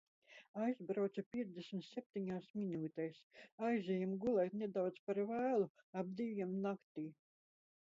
Aizbraucu piecdesmit septiņās minūtēs. Aizejam gulēt nedaudz par vēlu - ap diviem naktī.